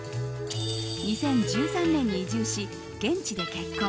２０１３年に移住し、現地で結婚。